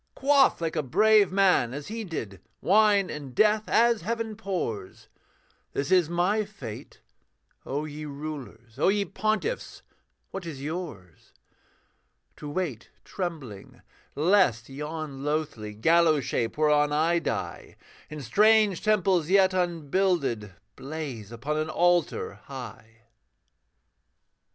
Quaff, like a brave man, as he did, Wine and death as heaven pours This is my fate: O ye rulers, O ye pontiffs, what is yours? To wait trembling, lest yon loathly Gallows shape whereon I die, In strange temples yet unbuilded, Blaze upon an altar high.